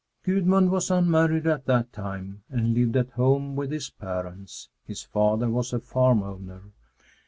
Gudmund was unmarried at that time and lived at home with his parents. His father was a farm owner.